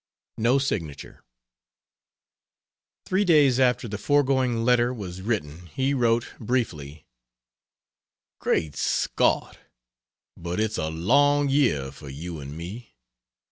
[No signature.] Three days after the foregoing letter was written he wrote, briefly: "Great Scott but it's a long year for you and me!